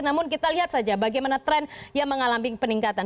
namun kita lihat saja bagaimana tren yang mengalami peningkatan